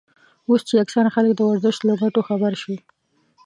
اوس چې اکثره خلک د ورزش له ګټو خبر شوي.